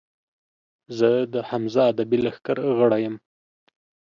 زۀ د حمزه ادبي لښکر غړے یم